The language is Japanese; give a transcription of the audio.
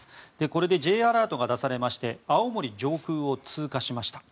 これでＪアラートが出されまして青森上空を通過しました。